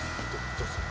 どうする？